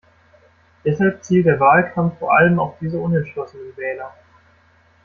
Deshalb zielt der Wahlkampf vor allem auf diese unentschlossenen Wähler.